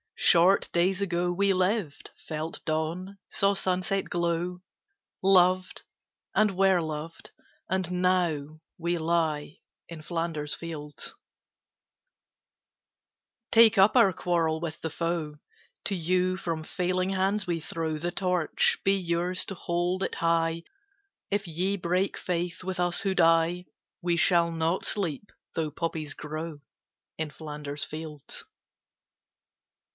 Short days ago We lived, felt dawn, saw sunset glow, Loved and were loved, and now we lie, In Flanders fields. Take up our quarrel with the foe: To you from failing hands we throw The torch; be yours to hold it high. If ye break faith with us who die We shall not sleep, though poppies grow In Flanders fields.